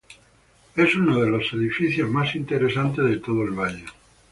Es uno de los edificios más interesantes de todo el valle.